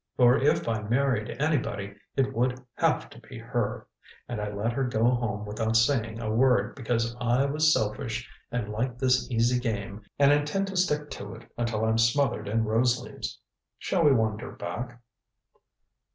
For if I married anybody it would have to be her and I let her go home without saying a word because I was selfish and like this easy game and intend to stick to it until I'm smothered in rose leaves. Shall we wander back?"